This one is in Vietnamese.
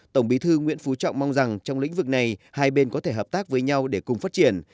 tổng bí thư nguyễn phú trọng mong rằng trong lĩnh vực này hai bên có thể hợp tác với nhau để cùng phát triển